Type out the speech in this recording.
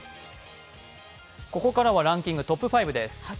ここからはランキングトップ５です。